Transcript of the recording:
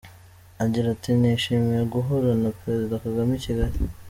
Agira ati "Nishimiye guhura na Perezida Kagame i Kigali.